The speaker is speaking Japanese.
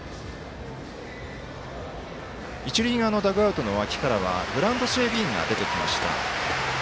一塁側のダグアウトの脇からはグラウンド整備員が出てきました。